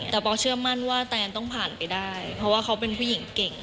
แต่ป๊อกเชื่อมั่นว่าแตนต้องผ่านไปได้เพราะว่าเขาเป็นผู้หญิงเก่ง